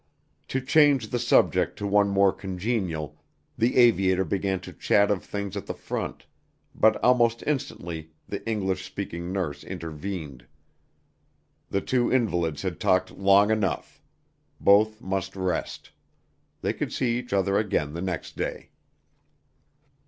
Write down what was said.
To change the subject to one more congenial, the aviator began to chat of things at the front; but almost instantly the English speaking nurse intervened. The two invalids had talked long enough. Both must rest. They could see each other again next day.